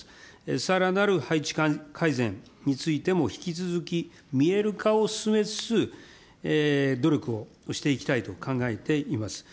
さらなる配置改善についても引き続き見えるかを進めつつ、努力をしていきたいと考えています。